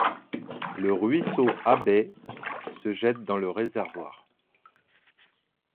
Le ruisseau Abbey se jette dans le réservoir.